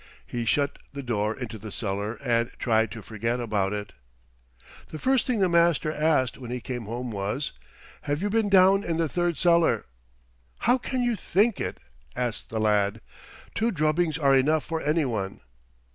He shut the door into the cellar and tried to forget about it. The first thing the Master asked when he came home was, "Have you been down in the third cellar?" "How can you think it?" asked the lad. "Two drubbings are enough for any one."